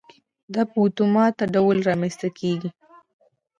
دا په اتومات ډول رامنځته کېږي.